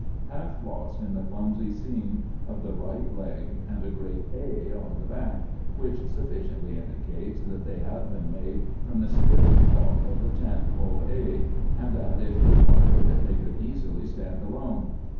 half lost in the clumsy seam of the right leg and a great "A" on the back, which sufficiently indicates that they have been made from the stiff cloth of the tent called "A," and that, if required, they could easily stand alone.